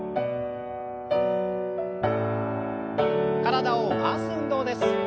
体を回す運動です。